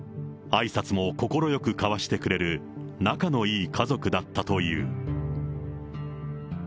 あいさつも快く交わしてくれる、仲のいい家族だったという。